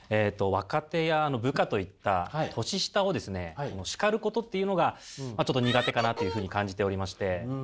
若手や部下といった年下をですね叱ることっていうのがちょっと苦手かなというふうに感じておりまして。